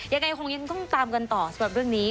ยังไงคงยังต้องตามกันต่อสำหรับเรื่องนี้